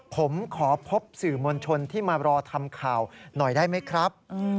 ผมขอพบสื่อมวลชนที่มารอทำข่าวหน่อยได้ไหมครับ